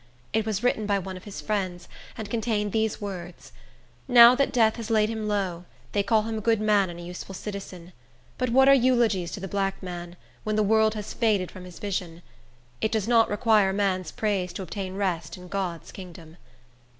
It was written by one of his friends, and contained these words: "Now that death has laid him low, they call him a good man and a useful citizen; but what are eulogies to the black man, when the world has faded from his vision? It does not require man's praise to obtain rest in God's kingdom."